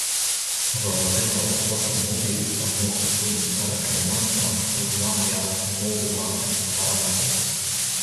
Several genera of fossil mobulids are known, including "Archaeomanta", "Burnhamia", "Eomobula", and "Paramobula".